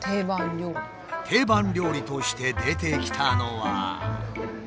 定番料理として出てきたのは。